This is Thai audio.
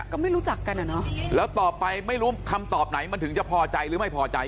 ก็ไม่รู้จักกันอ่ะเนอะแล้วต่อไปไม่รู้คำตอบไหนมันถึงจะพอใจหรือไม่พอใจ